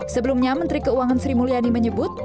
sebelumnya menteri keuangan sri mulyani menyebut